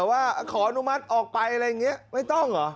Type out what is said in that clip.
ว่าขออนุมัติออกไปอะไรอย่างนี้ไม่ต้องเหรอ